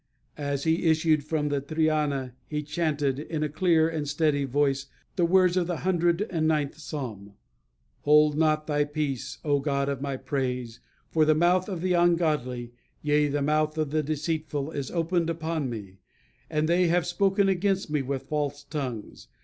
As he issued from the Triana he chanted, in a clear and steady voice, the words of the Hundred and ninth Psalm: "Hold not thy peace, O God of my praise; for the mouth of the ungodly, yea, the mouth of the deceitful, is opened upon me: and they have spoken against me with false tongues.